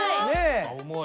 重い！